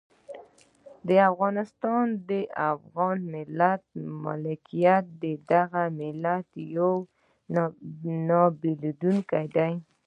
افغانستان د افغان ملت ملکیت دی او دغه ملت یو او نه بېلیدونکی دی.